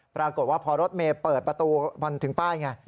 ปรากฏว่าพอรถเมย์เปิดประตูมันถึงป้ายไง